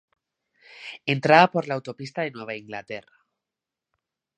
Entrada por la autopista de Nueva Inglaterra.